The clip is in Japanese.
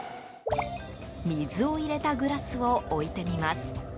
水を入れたグラスを置いてみます。